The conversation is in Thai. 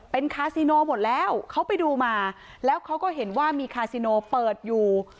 เป็นคาซิโนหมดแล้วเขาไปดูมาแล้วเขาก็เห็นว่ามีคาซิโนเปิดอยู่